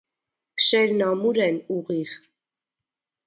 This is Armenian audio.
Փշերն ամուր են, ուղիղ։